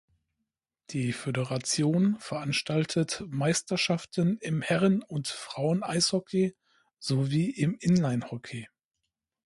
Die Föderation veranstaltet Meisterschaften im Herren- und Fraueneishockey sowie im Inlinehockey.